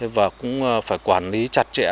và cũng phải quản lý chặt chẽ